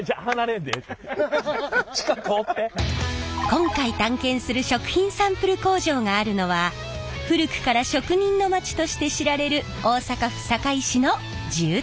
今回探検する食品サンプル工場があるのは古くから職人の町として知られる大阪府堺市の住宅街。